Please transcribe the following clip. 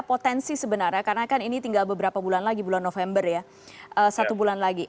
potensi sebenarnya karena kan ini tinggal beberapa bulan lagi bulan november ya satu bulan lagi